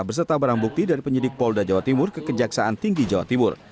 beserta barang bukti dari penyidik polda jawa timur ke kejaksaan tinggi jawa timur